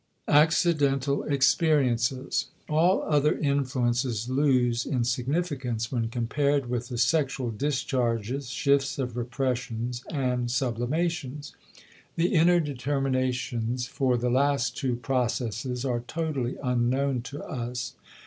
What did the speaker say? *Accidental Experiences.* All other influences lose in significance when compared with the sexual discharges, shifts of repressions, and sublimations; the inner determinations for the last two processes are totally unknown to us.